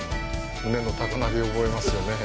胸の高鳴りを覚えますよねえ。